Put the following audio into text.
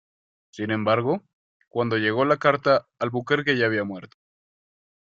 Sin embargo, cuando llegó la carta, Albuquerque ya había muerto.